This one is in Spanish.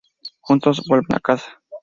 Juntos vuelven a casa.